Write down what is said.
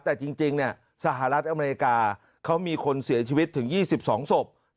แต่จริงสหรัฐอเมริกาเขามีคนเสียชีวิตถึง๒๒ศพ